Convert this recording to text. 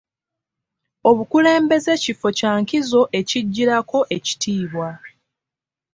Obukulembeze kifo kya nkizo ekijjirako ekitiibwa.